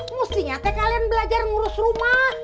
mestinya teh kalian belajar ngurus rumah